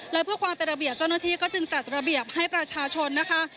และเพื่อความเป็นระเบียบเจ้าหน้าที่ก็จึงจัดระเบียบให้ประชาชนนะคะ